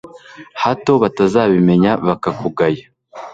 hato batazabimenya bakakugaya